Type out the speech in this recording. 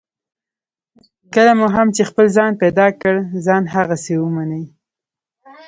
کله مو هم چې خپل ځان پیدا کړ، ځان هماغسې ومنئ.